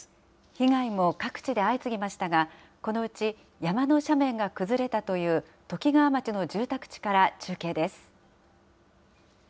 被害も各地で相次ぎましたが、このうち山の斜面が崩れたというときがわ町の住宅地から中継です。